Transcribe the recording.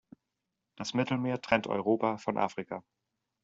Das Mittelmeer trennt Europa von Afrika.